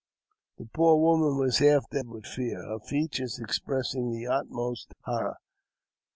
The poor woman was half dead with fear, her features expressing the utmost horror.